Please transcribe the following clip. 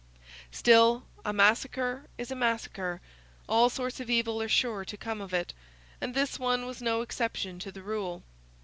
Still, a massacre is a massacre; all sorts of evil are sure to come of it; and this one was no exception to the rule.